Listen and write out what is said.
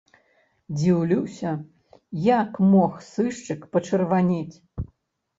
Дзіўлюся, як мог сышчык пачырванець?